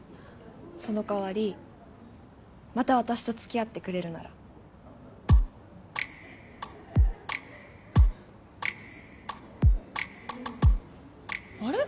その代わりまた私と付き合ってくれるならあれ？